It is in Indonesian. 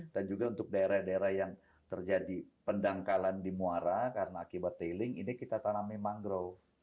dan juga untuk daerah daerah yang terjadi pendangkalan di muara karena akibat tailing ini kita tanami mangrove